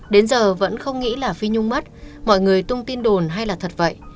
đến giờ vẫn không nghĩ là phi nhung mất mọi người tung tin đồn hay là thật vậy